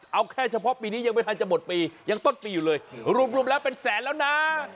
เอาแค่เฉพาะปีนี้ยังไม่ทันจะหมดปียังต้นปีอยู่เลยรวมแล้วเป็นแสนแล้วนะ